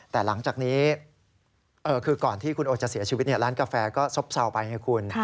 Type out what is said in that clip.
แต่หลังจากนี้คือก่อนที่คุณโอจะเสียชีวิตร้านกาแฟก็ซบเศร้าไปไงคุณ